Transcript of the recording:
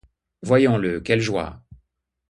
Voyons-le ! quelle joie !